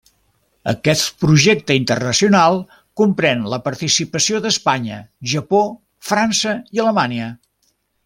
Aquest projecte internacional comprèn la participació d'Espanya, Japó, França i Alemanya.